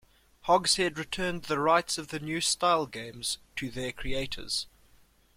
Hogshead returned the rights of the New Style games to their creators.